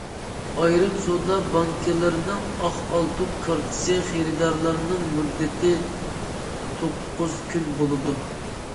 ئايرىم سودا بانكىلىرىنىڭ ئاق ئالتۇن كارتىسى خېرىدارلىرىنىڭ مۇددىتى توققۇز كۈن بولىدۇ.